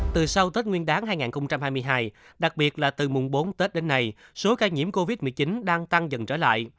từ sau tết nguyên đáng hai nghìn hai mươi hai đặc biệt là từ mùng bốn tết đến nay số ca nhiễm covid một mươi chín đang tăng dần trở lại